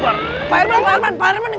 pak herman pak herman